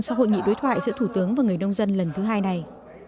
sau hội nghị đối thoại giữa thủ tướng và người nông dân lần thứ hai này